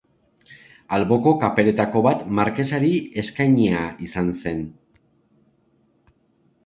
Alboko kaperetako bat Markesari eskainia izan zen.